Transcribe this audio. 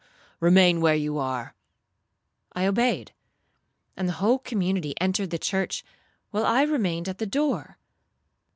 Remain where you are.' I obeyed; and the whole community entered the church, while I remained at the door.